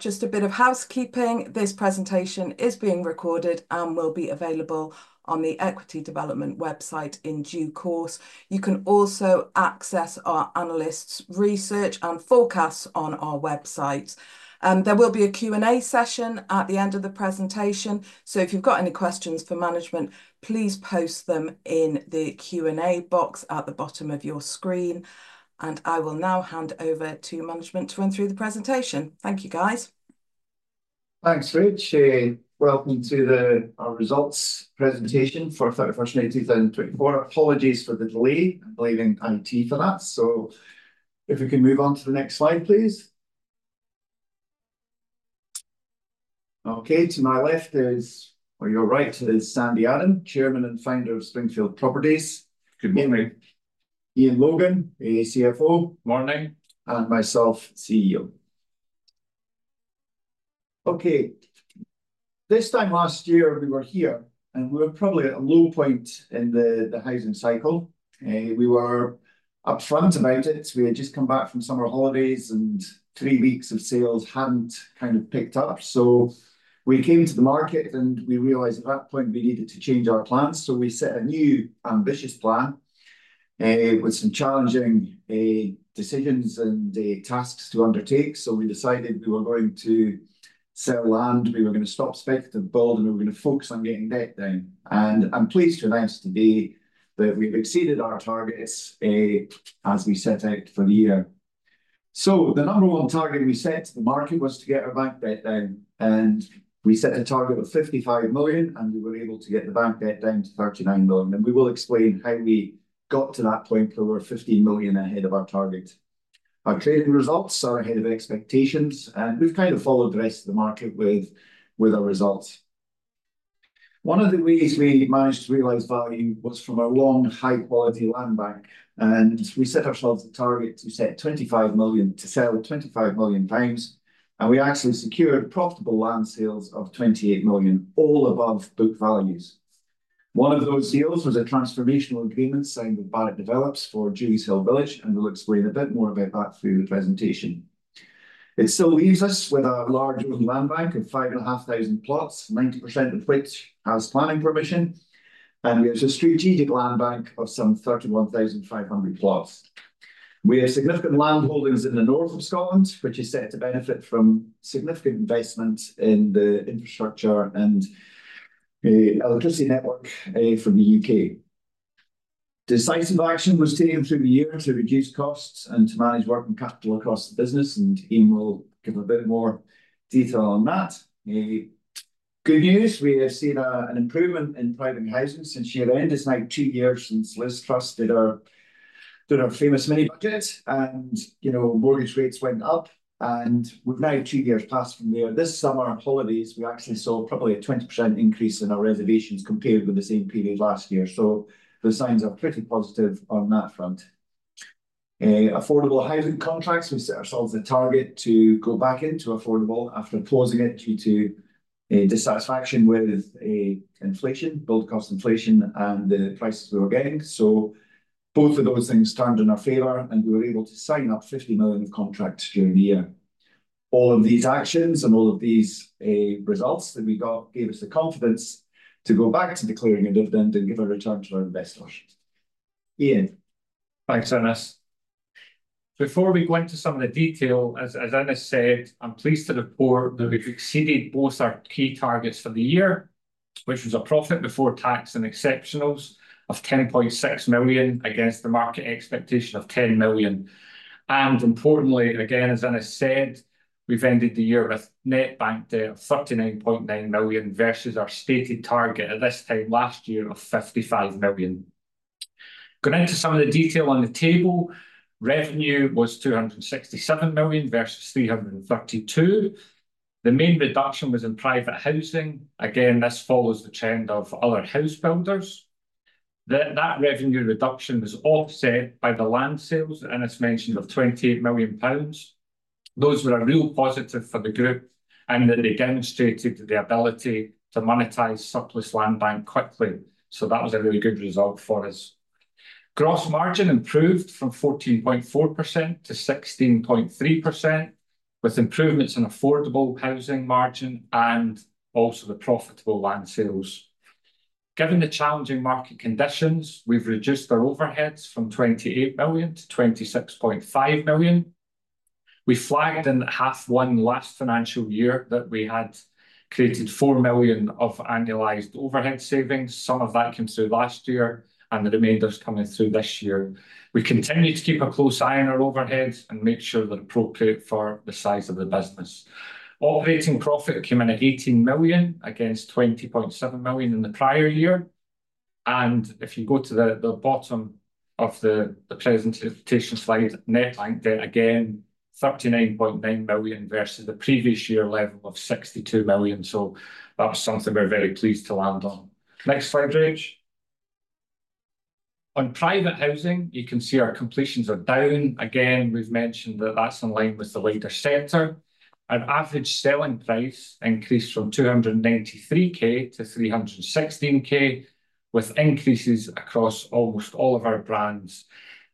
Just a bit of housekeeping. This presentation is being recorded and will be available on the Equity Development website in due course. You can also access our analysts' research and forecasts on our website. There will be a Q&A session at the end of the presentation, so if you've got any questions for management, please post them in the Q&A box at the bottom of your screen, and I will now hand over to management to run through the presentation. Thank you, guys. Thanks, Rach. Welcome to our results presentation for thirty-first March, two thousand and twenty-four. Apologies for the delay. I'm blaming IT for that. So if we can move on to the next slide, please. Okay, to my left is, or your right is Sandy Adam, Chairman and Founder of Springfield Properties. Good morning. Iain Logan, our CFO. Morning. And myself, CEO. Okay, this time last year, we were here, and we were probably at a low point in the housing cycle. We were upfront about it. We had just come back from summer holidays, and three weeks of sales hadn't kind of picked up. So we came to the market, and we realized at that point we needed to change our plans. So we set a new, ambitious plan with some challenging decisions and tasks to undertake. So we decided we were going to sell land, we were gonna stop speculative build, and we were gonna focus on getting debt down. And I'm pleased to announce today that we've exceeded our targets as we set out for the year. So the number one target we set to the market was to get our bank debt down, and we set a target of 55 million, and we were able to get the bank debt down to 39 million. And we will explain how we got to that point to over 15 million ahead of our target. Our trading results are ahead of expectations, and we've kind of followed the rest of the market with our results. One of the ways we managed to realize value was from our long, high-quality land bank, and we set ourselves a target to set 25 million, to sell 25 million pounds, and we actually secured profitable land sales of 28 million, all above book values. One of those deals was a transformational agreement signed with Barratt Developments for Durieshill Village, and we'll explain a bit more about that through the presentation. It still leaves us with a large open land bank of five and a half thousand plots, 90% of which has planning permission, and we have a strategic land bank of some thirty-one thousand, five hundred plots. We have significant land holdings in the north of Scotland, which is set to benefit from significant investment in the infrastructure and the electricity network, from the U.K. Decisive action was taken through the year to reduce costs and to manage working capital across the business, and Ian will give a bit more detail on that. Good news, we have seen an improvement in private housing since year end. It's now two years since Liz Truss did her famous Mini-Budget, and, you know, mortgage rates went up, and we've now two years passed from there. This summer, holidays, we actually saw probably a 20% increase in our reservations compared with the same period last year. So the signs are pretty positive on that front. Affordable housing contracts, we set ourselves a target to go back into affordable after pausing it due to a dissatisfaction with inflation, build cost inflation, and the prices we were getting. So both of those things turned in our favor, and we were able to sign up 50 million of contracts during the year. All of these actions and all of these results that we got gave us the confidence to go back to declaring a dividend and give a return to our investors. Ian? Thanks, Innes. Before we go into some of the detail, as Innes said, I'm pleased to report that we've exceeded both our key targets for the year, which was a profit before tax and exceptionals of 10.6 million, against the market expectation of 10 million, and importantly, again, as Innes said, we've ended the year with net bank debt of 39.9 million versus our stated target at this time last year of 55 million. Going into some of the detail on the table, revenue was 267 million versus 332 million. The main reduction was in private housing. Again, this follows the trend of other house builders. That revenue reduction was offset by the land sales, and it's mentioned of 28 million pounds. Those were a real positive for the group, and they demonstrated the ability to monetize surplus land bank quickly. So that was a really good result for us. Gross margin improved from 14.4% to 16.3%, with improvements in affordable housing margin and also the profitable land sales. Given the challenging market conditions, we've reduced our overheads from 28 million to 26.5 million. We flagged in half one last financial year that we had created 4 million of annualized overhead savings. Some of that came through last year, and the remainder's coming through this year. We continue to keep a close eye on our overheads and make sure they're appropriate for the size of the business. Operating profit came in at 18 million against 20.7 million in the prior year. If you go to the bottom of the presentation slide, net bank debt, again, 39.9 million versus the previous year level of 62 million. So that's something we're very pleased to land on. Next slide, Rachel. On private housing, you can see our completions are down. Again, we've mentioned that that's in line with the wider sector. Our average selling price increased from 293K to 316K... with increases across almost all of our brands.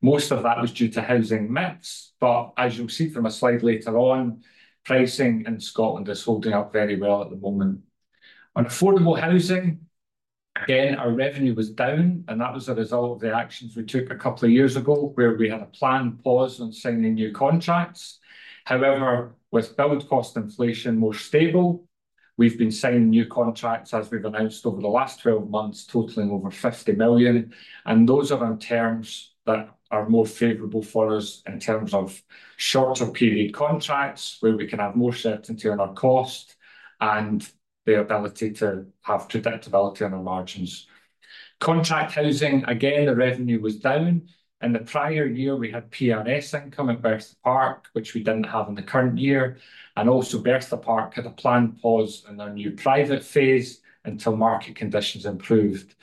Most of that was due to housing mix, but as you'll see from a slide later on, pricing in Scotland is holding up very well at the moment. On affordable housing, again, our revenue was down, and that was a result of the actions we took a couple of years ago, where we had a planned pause on signing new contracts. However, with build cost inflation more stable, we've been signing new contracts, as we've announced, over the last 12 months, totalling over 50 million, and those are on terms that are more favorable for us in terms of shorter period contracts, where we can have more certainty on our cost and the ability to have predictability on our margins. Contract housing, again, the revenue was down. In the prior year, we had PRS income at Bertha Park, which we didn't have in the current year, and also Bertha Park had a planned pause in their new private phase until market conditions improved.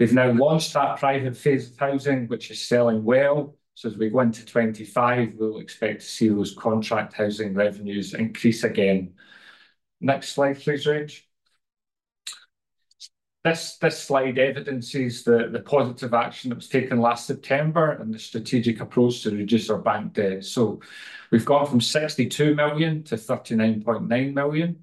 We've now launched that private phase of housing, which is selling well, so as we go into 2025, we'll expect to see those contract housing revenues increase again. Next slide, please, Rachel. This slide evidences the positive action that was taken last September and the strategic approach to reduce our bank debt. So we've gone from 62 million to 39.9 million.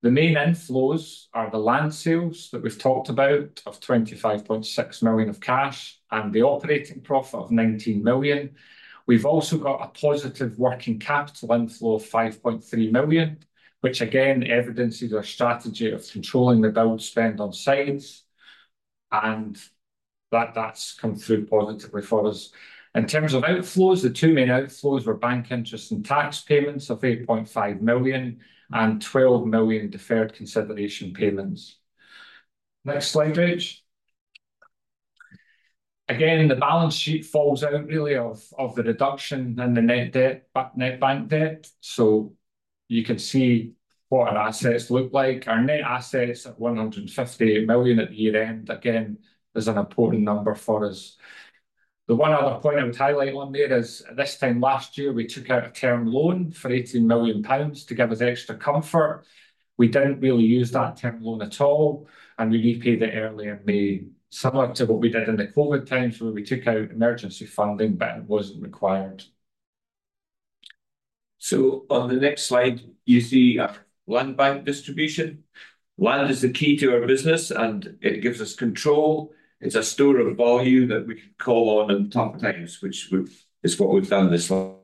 The main inflows are the land sales that we've talked about, of 25.6 million of cash, and the operating profit of 19 million. We've also got a positive working capital inflow of 5.3 million, which again evidences our strategy of controlling the build spend on sites, and that's come through positively for us. In terms of outflows, the two main outflows were bank interest and tax payments of 8.5 million and 12 million deferred consideration payments. Next slide, Rach. Again, the balance sheet falls out really of the reduction in the net debt, but net bank debt, so you can see what our assets look like. Our net assets at 150 million at year-end, again, is an important number for us. The one other point I would highlight on there is, at this time last year, we took out a term loan for 18 million pounds to give us extra comfort. We didn't really use that term loan at all, and we repaid it early in May, similar to what we did in the Covid times, where we took out emergency funding, but it wasn't required. So on the next slide, you see our land bank distribution. Land is the key to our business, and it gives us control. It's a store of volume that we can call on in tougher times, which is what we've done this far....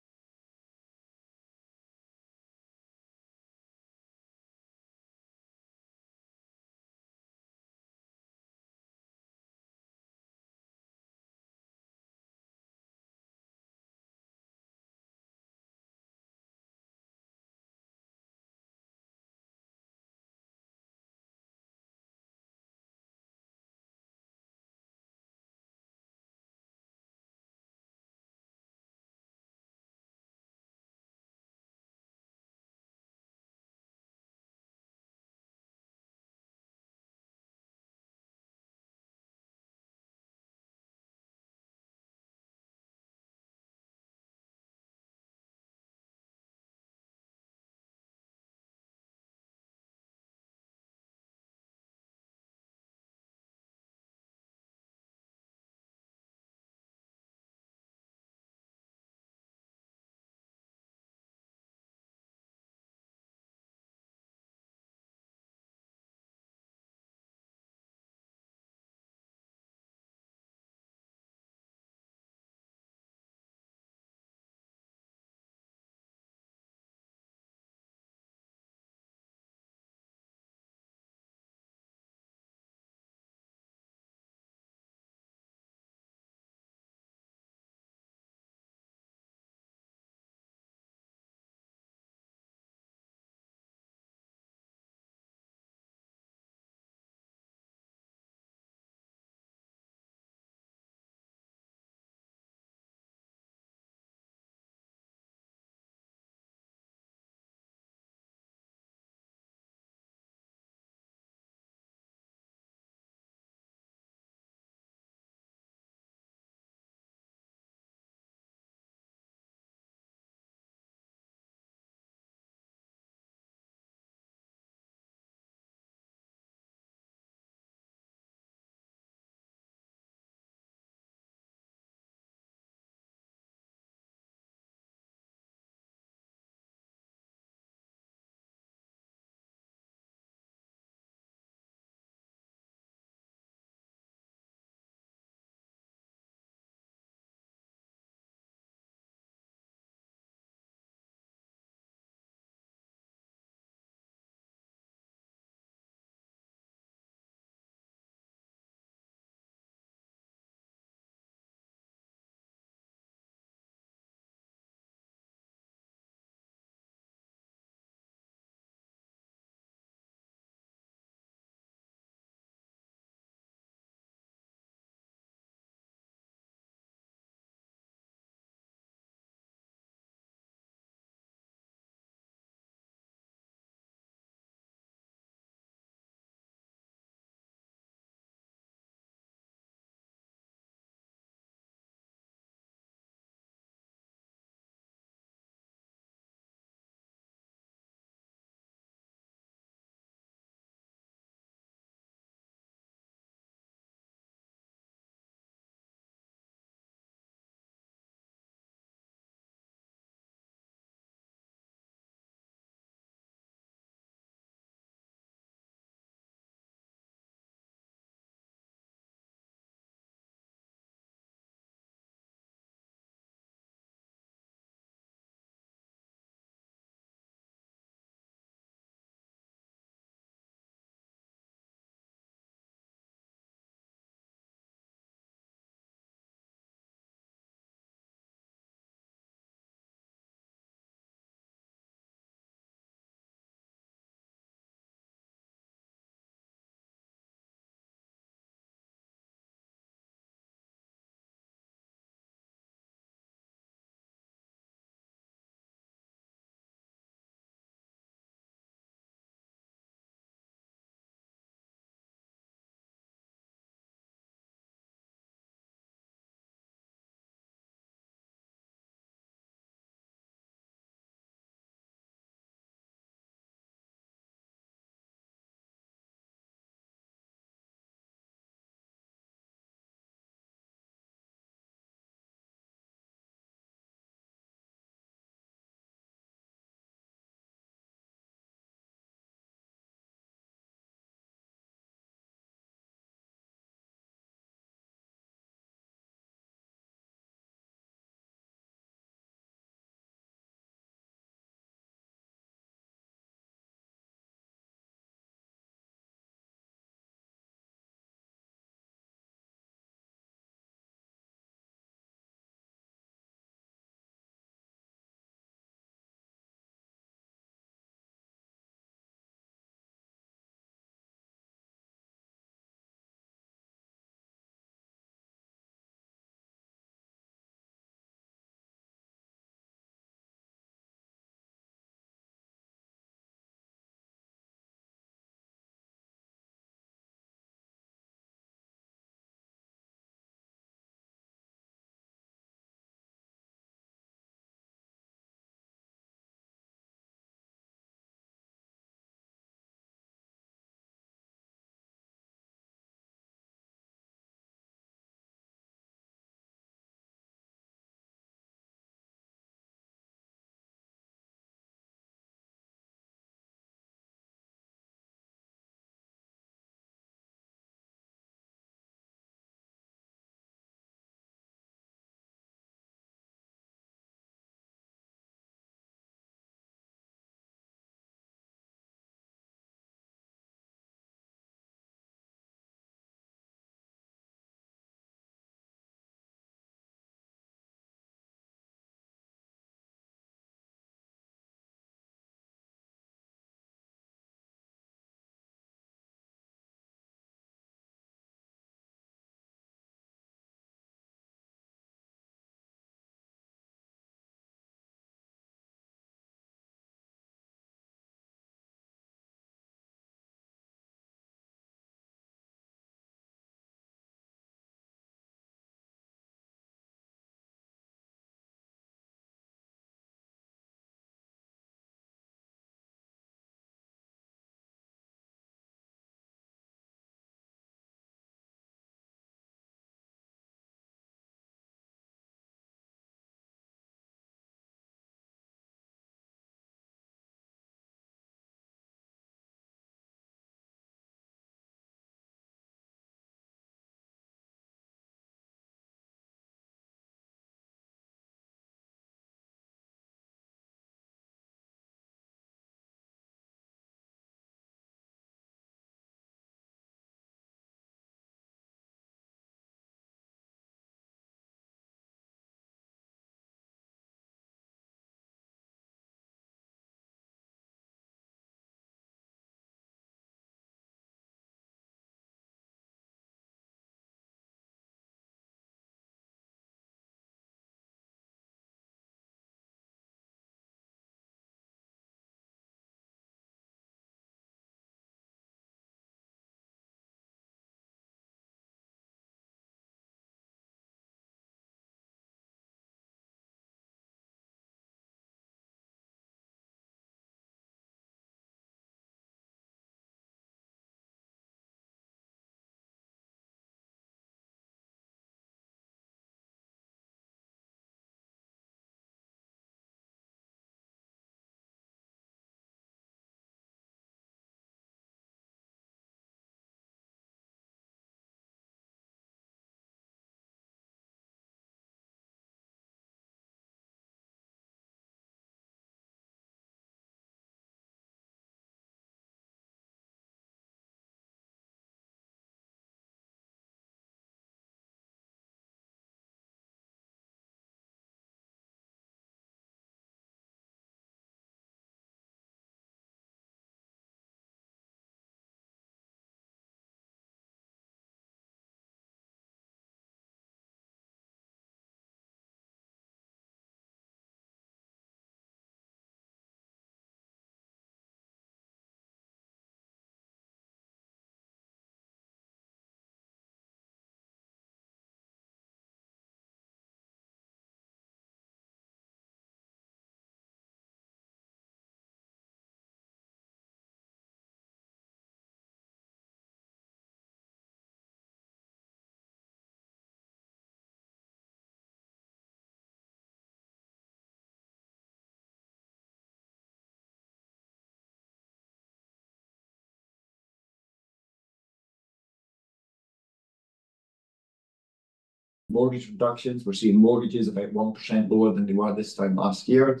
mortgage reductions. We're seeing mortgages about 1% lower than they were this time last year.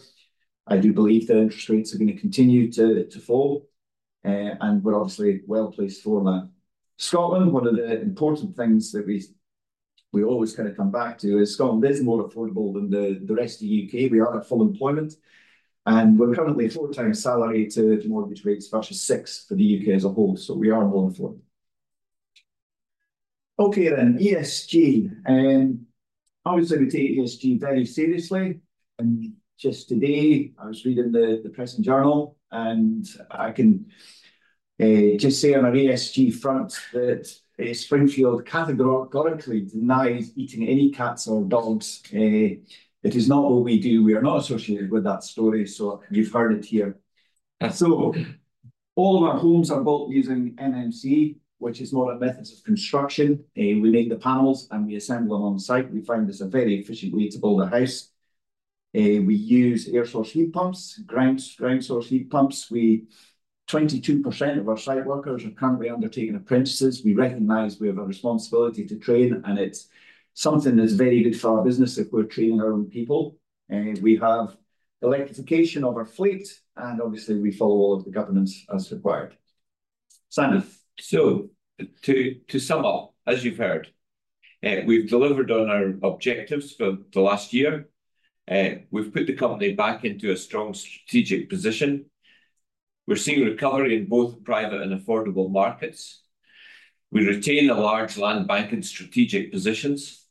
I do believe that interest rates are gonna continue to fall, and we're obviously well-placed for that. Scotland, one of the important things that we always kind of come back to is Scotland is more affordable than the rest of the U.K. We are at full employment, and we're currently four times salary to mortgage rates versus six for the U.K. as a whole, so we are more affordable. Okay, then, ESG, obviously we take ESG very seriously, and just today I was reading the Press and Journal, and I can just say on an ESG front that Springfield categorically denies eating any cats or dogs. It is not what we do. We are not associated with that story, so you've heard it here. And so all of our homes are built using MMC, which is modern methods of construction. We make the panels, and we assemble them on site. We find it's a very efficient way to build a house. We use air source heat pumps, ground source heat pumps. 22% of our site workers are currently undertaking apprenticeships. We recognize we have a responsibility to train, and it's something that's very good for our business if we're training our own people. And we have electrification of our fleet, and obviously, we follow all of the governance as required. Standards. So to sum up, as you've heard, we've delivered on our objectives for the last year. We've put the company back into a strong strategic position. We're seeing recovery in both private and affordable markets. We retain a large land bank and strategic positions.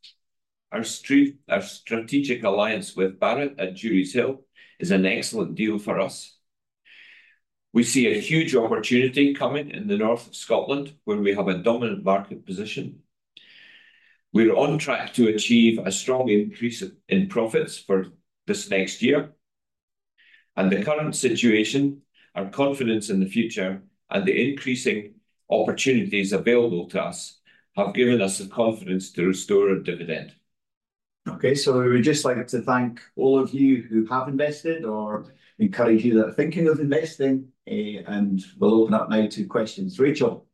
Our strategic alliance with Barratt at Durieshill is an excellent deal for us. We see a huge opportunity coming in the north of Scotland, where we have a dominant market position. We're on track to achieve a strong increase in profits for this next year. And the current situation, our confidence in the future, and the increasing opportunities available to us have given us the confidence to restore our dividend. Okay, so we would just like to thank all of you who have invested or encourage you that are thinking of investing, and we'll open up now to questions. Rachel?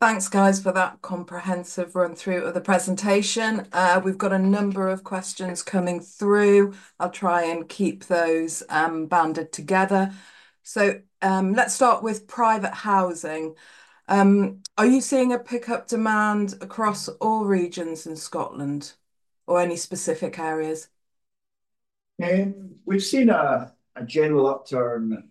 Thanks, guys, for that comprehensive run-through of the presentation. We've got a number of questions coming through. I'll try and keep those bunched together. So, let's start with private housing. Are you seeing a pickup demand across all regions in Scotland or any specific areas? We've seen a general upturn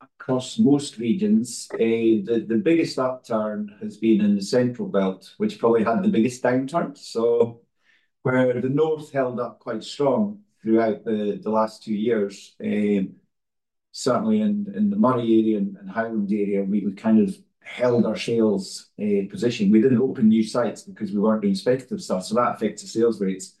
across most regions. The biggest upturn has been in the Central Belt, which probably had the biggest downturn. So where the north held up quite strong throughout the last two years, certainly in the Moray area and Highland area, we kind of held our sales position. We didn't open new sites because we weren't being speculative, so that affects the sales rates.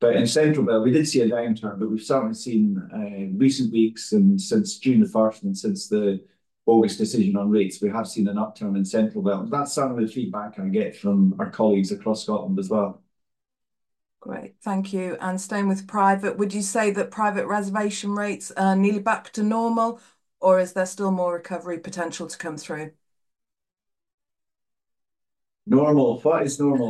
But in Central Belt we did see a downturn, but we've certainly seen in recent weeks and since June the first and since the August decision on rates, we have seen an upturn in Central Belt. That's some of the feedback I get from our colleagues across Scotland as well. Great. Thank you. And staying with private, would you say that private reservation rates are nearly back to normal, or is there still more recovery potential to come through? Normal. What is normal?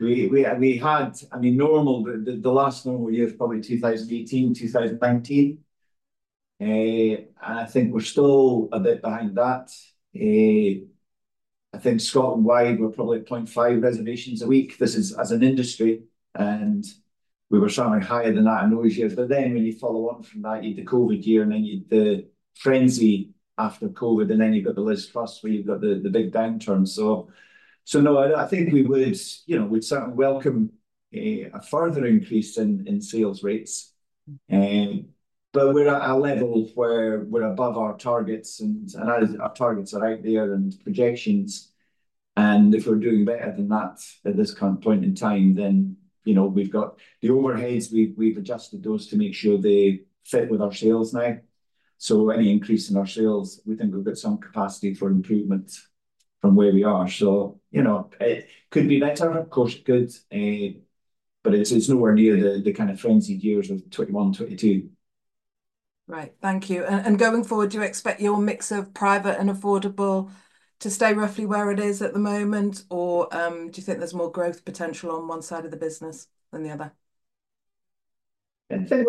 We had-- I mean, normal, the last normal year is probably 2018, 2019. And I think we're still a bit behind that. I think Scotland-wide, we're probably at 0.5 reservations a week. This is as an industry, and we were certainly higher than that in those years. But then when you follow on from that, you had the COVID year, and then you had the frenzy after COVID, and then you've got the Liz Truss, where you've got the big downturn. So no, I think we would, you know, we'd certainly welcome a further increase in sales rates. But we're at a level where we're above our targets, and as our targets are out there and projections, and if we're doing better than that at this current point in time, then, you know, we've got the overheads. We've adjusted those to make sure they fit with our sales now. So any increase in our sales, we think we've got some capacity for improvement from where we are. So, you know, it could be better? Of course, it could, but it's nowhere near the kind of frenzied years of 2021, 2022. Right. Thank you. And going forward, do you expect your mix of private and affordable to stay roughly where it is at the moment, or do you think there's more growth potential on one side of the business than the other? I think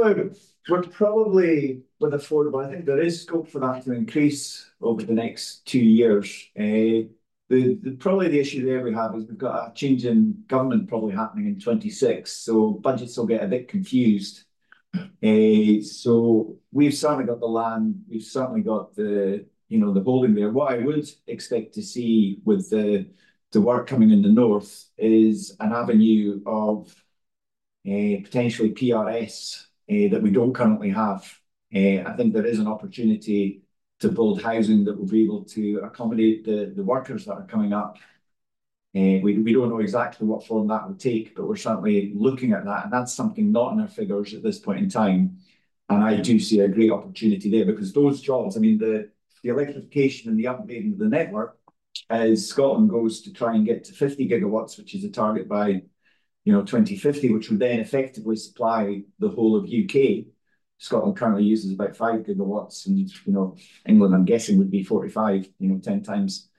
we're probably with affordable. I think there is scope for that to increase over the next two years. The issue there we have is we've got a change in government probably happening in 2026, so budgets will get a bit confused. So we've certainly got the land, we've certainly got the, you know, the volume there. What I would expect to see with the work coming in the north is an avenue of potentially PRS that we don't currently have. I think there is an opportunity to build housing that will be able to accommodate the workers that are coming up. We don't know exactly what form that would take, but we're certainly looking at that, and that's something not in our figures at this point in time. I do see a great opportunity there because those jobs, I mean, the electrification and the upgrading of the network, as Scotland goes to try and get to 50 gigawatts, which is a target by, you know, 2050, which would then effectively supply the whole of U.K. Scotland currently uses about 5 gigawatts and, you know, England, I'm guessing, would be 45, you know, ten times,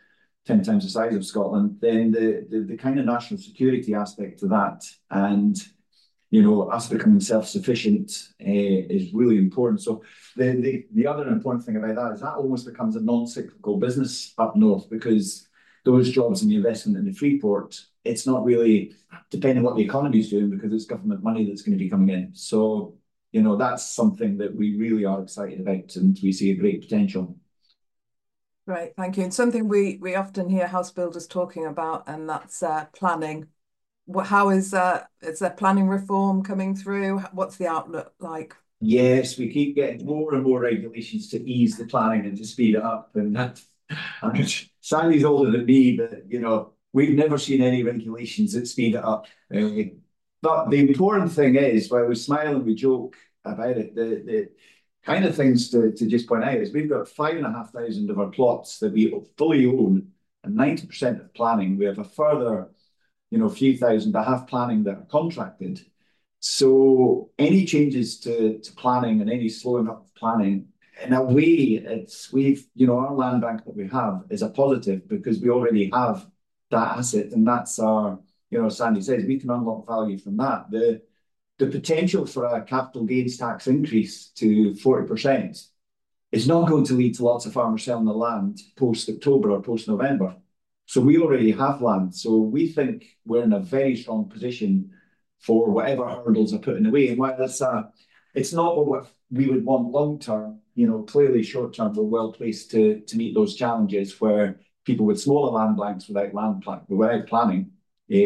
ten times the size of Scotland. Then the kind of national security aspect to that and, you know, us becoming self-sufficient is really important. So the other important thing about that is that almost becomes a non-cyclical business up north because those jobs and the investment in the Freeport, it's not really depending on what the economy is doing because it's government money that's going to be coming in. You know, that's something that we really are excited about, and we see a great potential. Right. Thank you. And something we often hear house builders talking about, and that's planning. What? How is there planning reform coming through? What's the outlook like? Yes, we keep getting more and more regulations to ease the planning and to speed it up, and that Sandy's older than me, but, you know, we've never seen any regulations that speed it up, but the important thing is, while we smile and we joke about it, the kind of things to just point out is we've got five and a half thousand of our plots that we fully own and 90% of planning. We have a further, you know, a few thousand that have planning that are contracted. So any changes to planning and any slowing up of planning, in a way, it's, we've, you know, our land bank that we have is a positive because we already have that asset, and that's our, you know, Sandy says we can unlock value from that. The potential for a capital gains tax increase to 40% is not going to lead to lots of farmers selling their land post-October or post-November. So we already have land, so we think we're in a very strong position for whatever hurdles are put in the way. And while that's, it's not what we would want long term, you know, clearly short term, we're well placed to meet those challenges where people with smaller land banks, without land planning,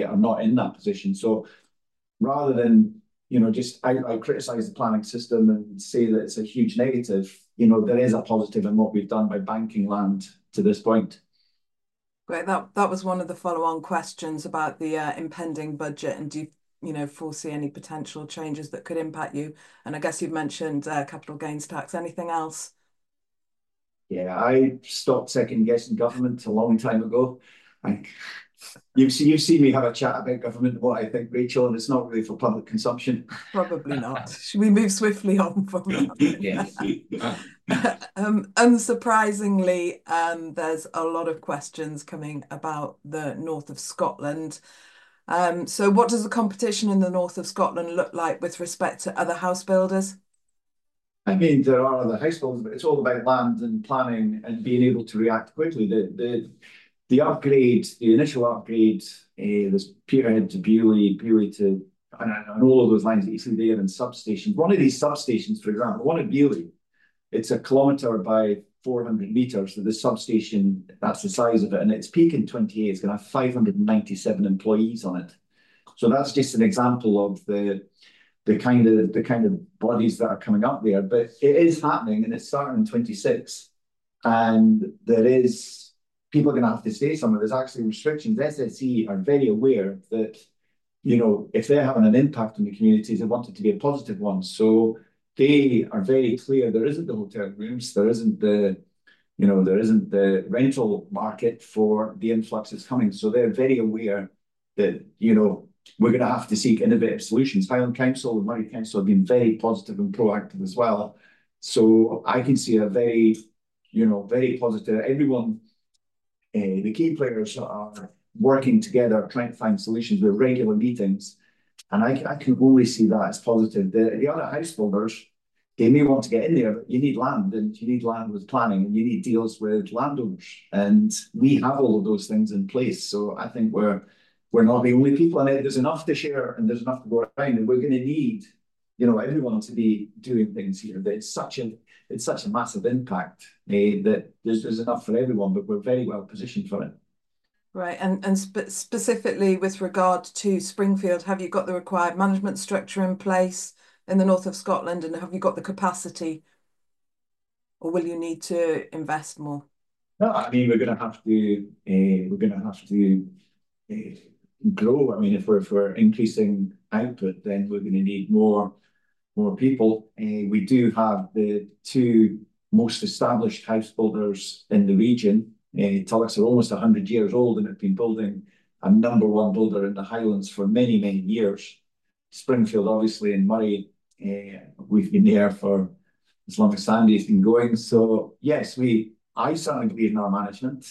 are not in that position. So rather than, you know, just, I criticize the planning system and say that it's a huge negative, you know, there is a positive in what we've done by banking land to this point.... Great. That, that was one of the follow-on questions about the, impending budget, and do you, you know, foresee any potential changes that could impact you? And I guess you've mentioned, capital gains tax. Anything else? Yeah, I stopped second-guessing government a long time ago. Like, you've seen me have a chat about government, what I think, Rachel, and it's not really for public consumption. Probably not. Should we move swiftly on from that? Yes. Unsurprisingly, there's a lot of questions coming about the North of Scotland. So what does the competition in the North of Scotland look like with respect to other house builders? I mean, there are other house builders, but it's all about land and planning and being able to react quickly. The upgrade, the initial upgrade, there's Peterhead to Beauly, Beauly to... And all of those lines that you see there, and substations. One of these substations, for example, the one at Beauly, it's a kilometer by 400 meters, so this substation, that's the size of it, and at its peak in 2028, it's gonna have 597 employees on it. So that's just an example of the kind of bodies that are coming up there. But it is happening, and it's starting in 2026, and there is... People are gonna have to stay somewhere. There's actually restrictions. SSE are very aware that, you know, if they're having an impact on the communities, they want it to be a positive one. So they are very clear there isn't the hotel rooms, there isn't the, you know, there isn't the rental market for the influx that's coming. So they're very aware that, you know, we're gonna have to seek innovative solutions. Highland Council and Moray Council have been very positive and proactive as well. So I can see a very, you know, very positive... Everyone, the key players are working together, trying to find solutions. We have regular meetings, and I can only see that as positive. The, the other house builders, they may want to get in there, but you need land, and you need land with planning, and you need deals with landowners, and we have all of those things in place. I think we're not the only people, and there's enough to share, and there's enough to go around, and we're gonna need, you know, everyone to be doing things here. It's such a massive impact that there's enough for everyone, but we're very well positioned for it. Right. And, specifically with regard to Springfield, have you got the required management structure in place in the north of Scotland, and have you got the capacity, or will you need to invest more? No, I mean, we're gonna have to grow. I mean, if we're increasing output, then we're gonna need more people. We do have the two most established house builders in the region. Tullochs are almost a hundred years old and have been building, a number one builder in the Highlands for many, many years. Springfield, obviously, in Moray, we've been there for as long as Sandy's been going. So yes, I started Beauly in our management,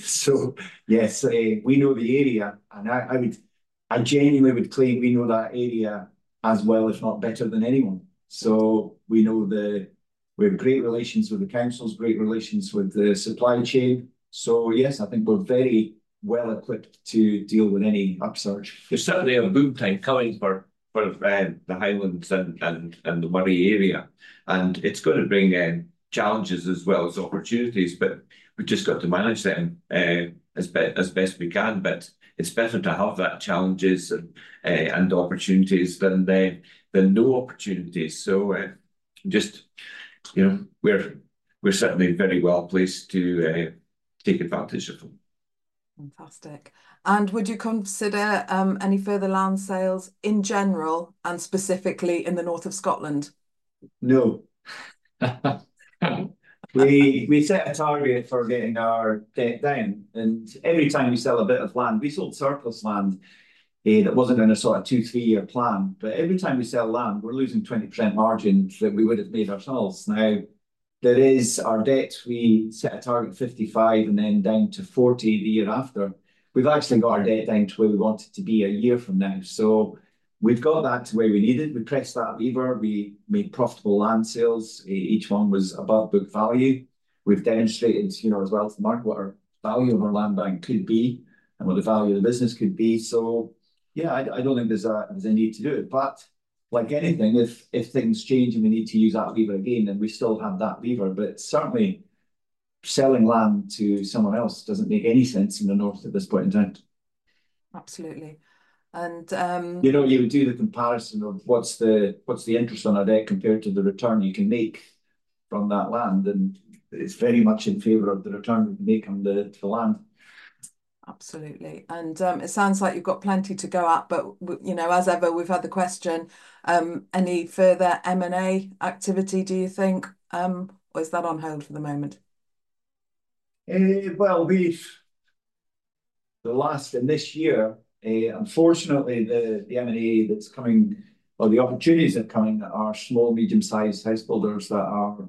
so yes, we know the area, and I would, I genuinely would claim we know that area as well, if not better, than anyone. So we know the area. We have great relations with the councils, great relations with the supply chain. So yes, I think we're very well equipped to deal with any upsurge. There's certainly a boom time coming for the Highlands and the Moray area, and it's gonna bring challenges as well as opportunities, but we've just got to manage them as best we can. But it's better to have that challenges and opportunities than no opportunities. So, just, you know, we're certainly very well placed to take advantage of them. Fantastic. And would you consider any further land sales in general, and specifically in the north of Scotland? No. We set a target for getting our debt down, and every time we sell a bit of land, we sold surplus land that wasn't in a sort of two- or three-year plan. But every time we sell land, we're losing 20% margins that we would've made ourselves. Now, there is our debt. We set a target, 55, and then down to 40 the year after. We've actually got our debt down to where we want it to be a year from now. So we've got that to where we need it. We pressed that lever. We made profitable land sales. Each one was above book value. We've demonstrated, you know, as well as the market, what our value of our land bank could be and what the value of the business could be. So yeah, I don't think there's a need to do it. But like anything, if things change and we need to use that lever again, then we still have that lever. But certainly, selling land to someone else doesn't make any sense in the north at this point in time. Absolutely. And, You know, you would do the comparison of what's the interest on our debt compared to the return you can make from that land, and it's very much in favor of the return we can make on the land. Absolutely. And, it sounds like you've got plenty to go at, but you know, as ever, we've had the question, any further M&A activity, do you think, or is that on hold for the moment? Well, the last in this year, unfortunately, the M&A that's coming, or the opportunities that are coming, are small- and medium-sized house builders that are,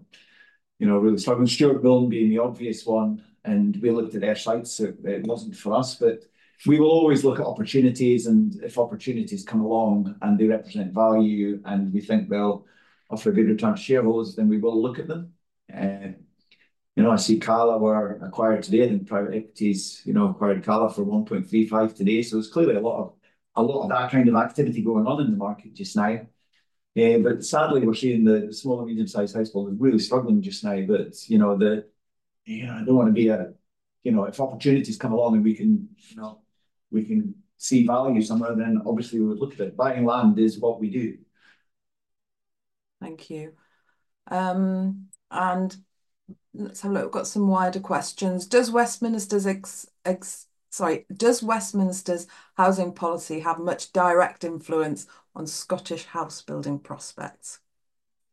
you know, really struggling. Stewart Milne being the obvious one, and we looked at their sites. It wasn't for us. But we will always look at opportunities, and if opportunities come along, and they represent value, and we think they'll offer a better return to shareholders, then we will look at them. You know, I see Cala were acquired today, and private equity, you know, acquired Cala for 1.35 billion today. So there's clearly a lot of that kind of activity going on in the market just now, but sadly, we're seeing the small- and medium-sized house builders really struggling just now. But, you know, the... Yeah, I don't want to be a, you know, if opportunities come along and we can, you know, we can see value somewhere, then obviously we would look at it. Buying land is what we do.... Thank you. And let's have a look. We've got some wider questions. Does Westminster's housing policy have much direct influence on Scottish house building prospects?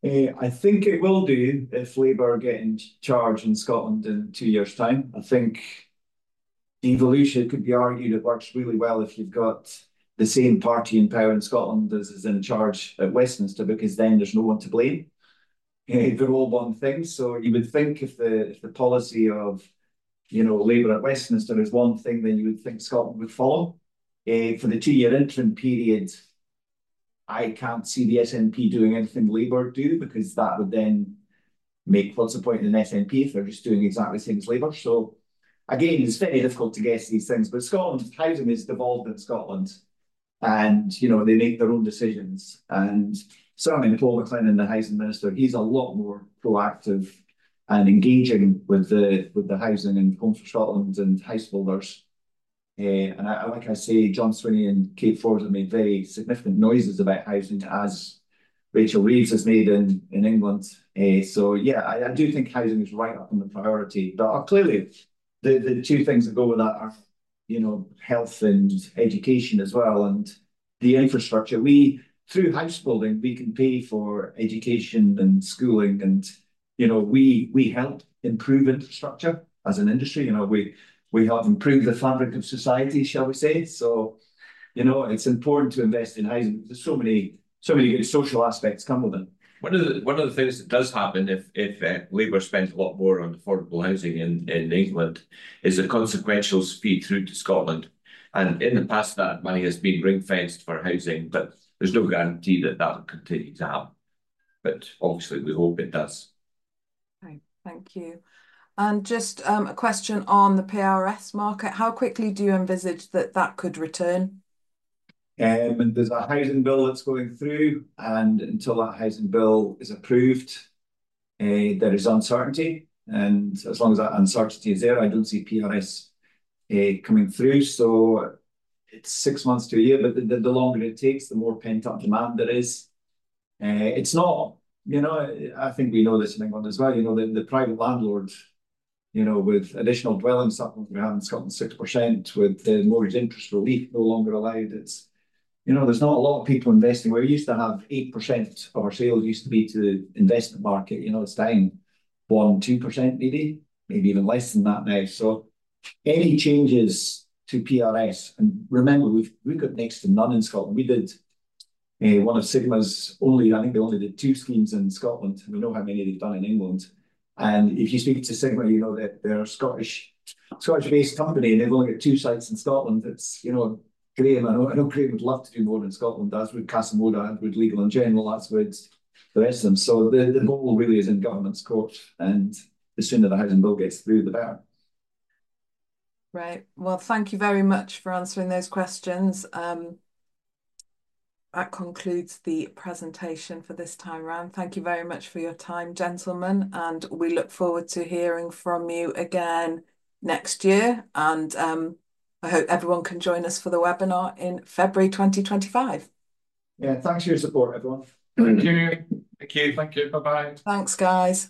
I think it will do if Labour get in charge in Scotland in two years' time. I think devolution could be argued. It works really well if you've got the same party in power in Scotland as is in charge at Westminster, because then there's no one to blame if it all goes wrong things. So you would think if the policy of, you know, Labour at Westminster is one thing, then you would think Scotland would follow. For the two-year interim period, I can't see the SNP doing anything Labour do, because that would then make what's the point in an SNP if they're just doing exactly the same as Labour? So again, it's very difficult to guess these things, but Scotland's housing is devolved in Scotland, and, you know, they make their own decisions. Certainly, Paul McLennan, the Housing Minister, he's a lot more proactive and engaging with the housing and Homes for Scotland and house builders. And I, like I say, John Swinney and Kate Forbes have made very significant noises about housing, as Rachel Reeves has made in England. So yeah, I do think housing is right up in the priority. But clearly, the two things that go with that are, you know, health and education as well, and the infrastructure. We through house building, we can pay for education and schooling, and, you know, we help improve infrastructure as an industry. You know, we help improve the fabric of society, shall we say? So, you know, it's important to invest in housing. There's so many good social aspects come with it. One of the things that does happen if Labour spends a lot more on affordable housing in England is the consequential speed through to Scotland. And in the past, that money has been ring-fenced for housing, but there's no guarantee that that will continue to happen. But obviously, we hope it does. Right. Thank you. And just, a question on the PRS market: How quickly do you envisage that that could return? There's a housing bill that's going through, and until that housing bill is approved, there is uncertainty. And as long as that uncertainty is there, I don't see PRS coming through. So it's six months to a year, but the longer it takes, the more pent-up demand there is. It's not... You know, I think we know this in England as well, you know, the private landlords, you know, with additional dwelling supplements we have in Scotland, 6% with the mortgage interest relief no longer allowed, it's, you know, there's not a lot of people investing. We used to have 8% of our sales used to be to the investment market. You know, it's down 1%-2%, maybe, maybe even less than that now. So any changes to PRS, and remember, we've got next to none in Scotland. We did one of Sigma's only—I think they only did two schemes in Scotland, and we know how many they've done in England. And if you speak to Sigma, you know that they're a Scottish-based company, and they've only got two sites in Scotland. It's, you know, Graham, I know, I know Graham would love to do more in Scotland, as would Moda Living, and would Legal & General, that's with the rest of them. So the ball really is in government's court, and the sooner the Housing Bill gets through, the better. Right, well, thank you very much for answering those questions. That concludes the presentation for this time around. Thank you very much for your time, gentlemen, and we look forward to hearing from you again next year, and I hope everyone can join us for the webinar in February 2025. Yeah, thanks for your support, everyone. Thank you. Thank you. Thank you. Bye-bye. Thanks, guys.